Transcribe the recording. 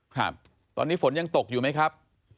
ครับตอนนี้ฝนยังตกอยู่ไหมครับ